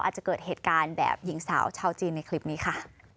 อาจจะเกิดเหตุการณ์แบบหญิงสาวชาวจีนในคลิปนี้ค่ะ